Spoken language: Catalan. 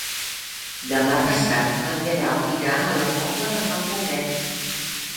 Demà passat en Guerau irà a la Pobla de Mafumet.